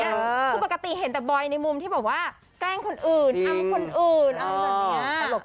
คือปกติเห็นแต่บอยในมุมที่แบบว่าแกล้งคนอื่นอ้ำคนอื่นอะไรแบบนี้